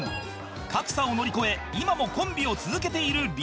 格差を乗り越え今もコンビを続けている理由とは？